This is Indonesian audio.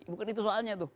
bukan itu soalnya tuh